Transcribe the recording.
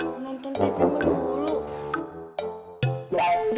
nonton tv menunggu dulu